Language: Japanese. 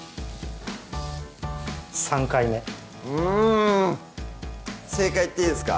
３回目うん正解言っていいですか？